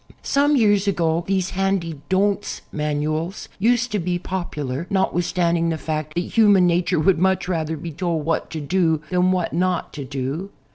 Some years ago these handy "Don't" manuals used to be popular, notwithstanding the fact that human nature would much rather be told what to do than what not to do.